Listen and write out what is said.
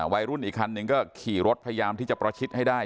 วัยรุ่นอีกคันหนึ่งก็ขี่รถพยายามที่จะประชิดให้ได้